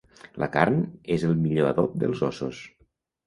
La carn és el millor adob dels ossos.